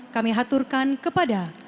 kami haturkan kepada